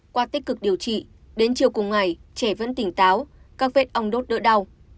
qua tích cực điều trị đến chiều cùng ngày trẻ vẫn tỉnh táo các vết ong đốt đỡ đau